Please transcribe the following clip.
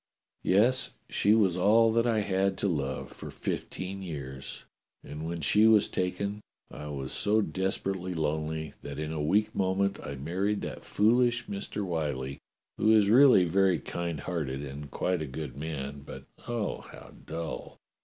Yes, she was all that I had to love for fifteen years, and when she was taken I was so desperately lonely that in a weak moment I married that foolish Mister Whyllie, who is really very kind hearted and quite a good man, but, oh ! how dull